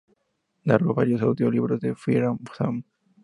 Narró varios audiolibros de "Fireman Sam".